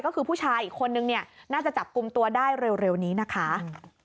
ก็คือผู้ชายอีกคนนึงเนี่ยน่าจะจับกลุ่มตัวได้เร็วนี้นะคะ